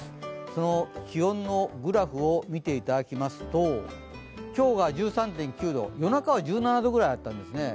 その気温のグラフを見ていただきますと、今日が１３．９度、夜中は１７度くらいあったんですね。